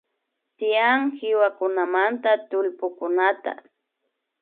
Tiyak kiwakunamanta tullpukunata